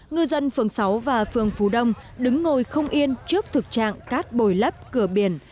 ngư dân phường sáu và phường phú đông đứng ngồi không yên trước thực trạng cát bồi lấp cửa biển